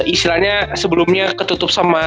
istilahnya sebelumnya ketutup sama